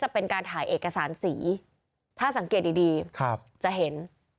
เป็นการถ่ายเอกสารสีถ้าสังเกตดีจะเห็น